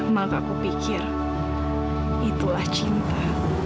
maka kupikir itulah cinta